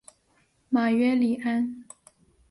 马约里安。